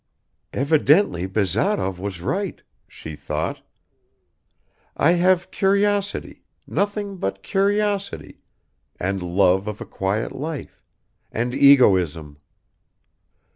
"Evidently Bazarov was right," she thought, "I have curiosity, nothing but curiosity, and love of a quiet life, and egoism